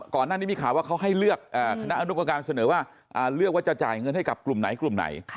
ก่อนหน้านี้มีข่าวว่าเขาให้เลือกคณะอนุประการเสนอว่าเลือกว่าจะจ่ายเงินให้กับกลุ่มไหนกลุ่มไหน